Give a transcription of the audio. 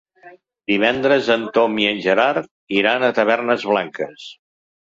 Divendres en Tom i en Gerard iran a Tavernes Blanques.